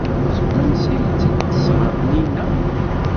Seg wansi ay tt-id-tesɣa Taninna?